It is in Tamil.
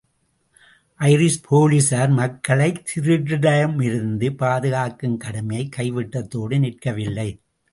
ஐரிஷ் போலிஸார் மக்களைத் திருடரிடமிருந்து பாதுகாக்கும் கடமையை கைவிட்டதோடு நிற்கவில்லை.